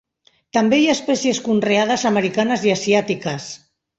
També hi ha espècies conreades americanes i asiàtiques.